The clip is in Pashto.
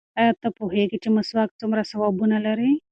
ایا ته پوهېږې چې مسواک څومره ثوابونه لري؟